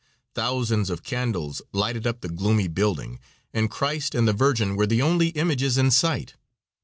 Thousands of candles lighted up the gloomy building, and Christ and the Virgin were the only images in sight.